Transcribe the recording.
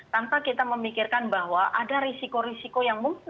tanpa kita memikirkan bahwa ada risiko risiko yang muncul